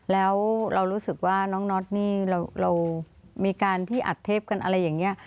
แล้วเรารู้สึกว่าน้องน็อตนี่เรามีการที่อัดเทปกันอะไรอย่างนี้